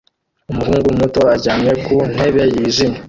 Umuhungu muto aryamye ku ntebe yijimye